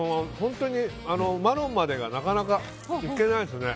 マロンまでがなかなかいけないですね。